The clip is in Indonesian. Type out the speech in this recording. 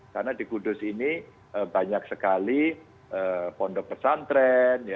karena di kudus ini banyak sekali fondok pesantren